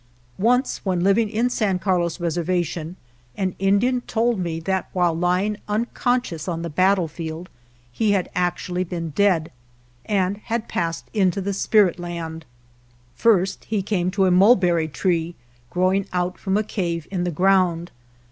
Once when living in San Carlos Reserva tion an Indian told me that while lying un conscious on the battlefield he had actually been dead, and had passed into the spirit land. First he came to a mulberry tree growing out from a cave in the ground.